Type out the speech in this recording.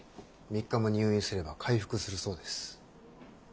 ３日も入院すれば回復するそうです。